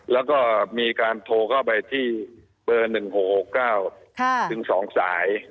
แล้วก็มีการโทรเข้าไปที่เบอร์๑๖๖๙ถึง๒สาย